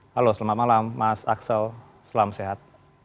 halo selamat malam mas aksel selamat sehat